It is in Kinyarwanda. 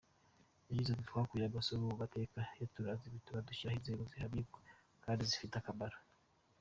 Yagize ati “Twakuye amasomo mu mateka yaturanze bituma dushyiraho inzego zihamye kandi zifite akamaro.